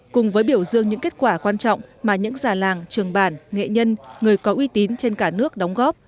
cùng với biểu dương những kết quả quan trọng mà những già làng trường bản nghệ nhân người có uy tín trên cả nước đóng góp